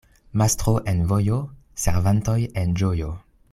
Mastro en vojo — servantoj en ĝojo.